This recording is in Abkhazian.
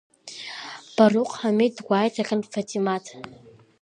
Барыҟә Ҳамиҭ дгәаиҭахьан Фатимаҭ.